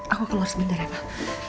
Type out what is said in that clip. aku keluar sebentar ya mah